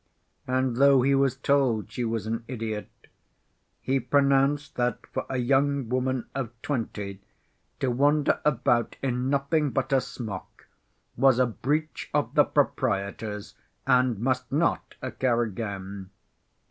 And though he was told she was an idiot, he pronounced that for a young woman of twenty to wander about in nothing but a smock was a breach of the proprieties, and must not occur again.